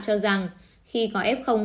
cho rằng khi có f